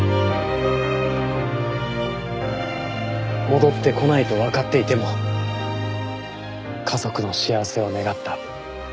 戻ってこないとわかっていても家族の幸せを願った。